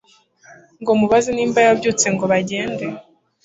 ngo umubaze niba yabyutse ngo bagende